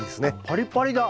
パリパリだ。